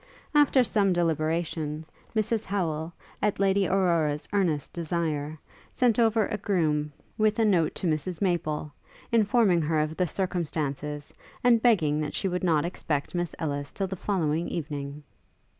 After some deliberation, Mrs Howel, at Lady Aurora's earnest desire, sent over a groom with a note to Mrs Maple, informing her of the circumstance, and begging that she would not expect Miss Ellis till the following evening.